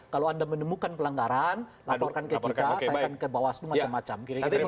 kalau anda menemukan pelanggaran laporkan ke kita saya akan ke bawaslu macam macam